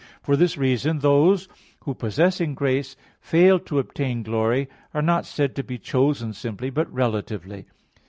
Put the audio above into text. For this reason those who, possessing grace, fail to obtain glory, are not said to be chosen simply, but relatively.